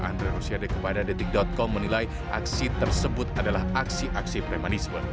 andre rosiade kepada detik com menilai aksi tersebut adalah aksi aksi premanisme